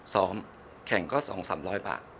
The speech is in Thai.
สอมแข่งก็สองสามร้อยบาท